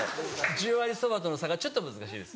十割そばとの差がちょっと難しいです。